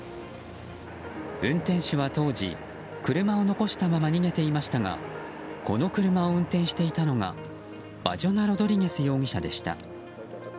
運転手は当時車を残したまま逃げていましたがこの車を運転していたのがバジョナ・ロドリゲス容疑者でした。